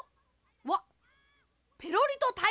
わっペロリとたいらげあ！